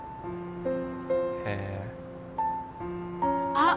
へえあっ